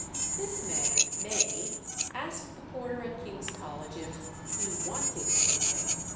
This man, May, asked the porter at King's College if "he wanted anything?"